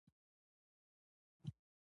بخاري د لرګیو د مصرف زیاتوالی سبب کېږي.